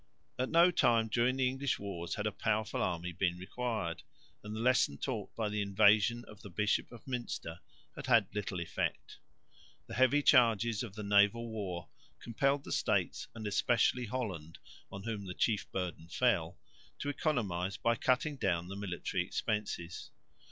At no time during the English wars had a powerful army been required, and the lesson taught by the invasion of the Bishop of Münster had had little effect. The heavy charges of the naval war compelled the States and especially Holland, on whom the chief burden fell, to economise by cutting down the military expenses.